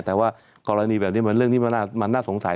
แต่ว่ากรณีแบบนี้มันน่าสงสัย